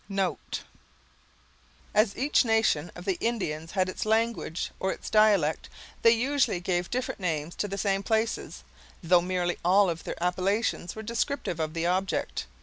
As each nation of the Indians had its language or its dialect, they usually gave different names to the same places, though nearly all of their appellations were descriptive of the object.